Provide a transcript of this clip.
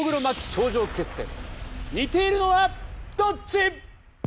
頂上決戦似ているのはどっち？